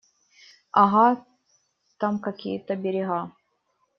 Ага, там какие-то берега.